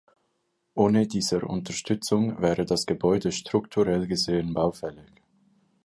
Ohne dieser Unterstützung wäre das Gebäude strukturell gesehen baufällig.